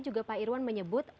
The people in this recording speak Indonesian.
juga pak irwan menyebut